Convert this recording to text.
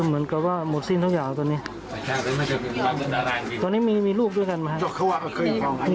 มีความหวั่นอย่างไรบ้างไหมครับเกี่ยวกับคดี